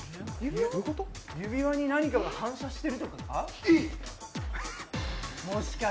指輪に何かが反射しているとか？